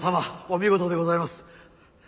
お見事でございます。